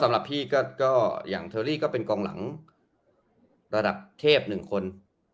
สำหรับพี่ก็อย่างเทอรี่ก็เป็นกองหลังระดับเทพ๑คน